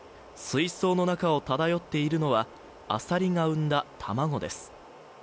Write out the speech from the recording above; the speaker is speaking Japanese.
水槽の中を漂っているのはアサリが産んだ卵です。